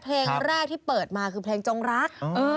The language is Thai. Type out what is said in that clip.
เพลงแรกที่เปิดมาคือเพลงจงรัก